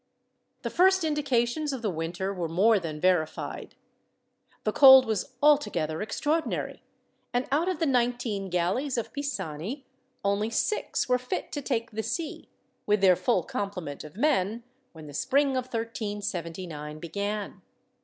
The first indications of the winter were more than verified. The cold was altogether extraordinary; and out of the nineteen galleys of Pisani, only six were fit to take the sea, with their full complement of men, when the spring of 1379 began.